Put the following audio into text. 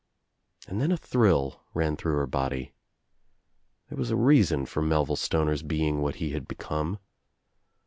And then a thrill ran through her body. There was a reason for Melville Stoner's being what he had be come.